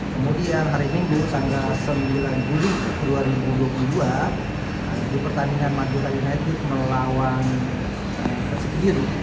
kemudian hari minggu tanggal sembilan juli dua ribu dua puluh dua di pertandingan madura united melawan persib biru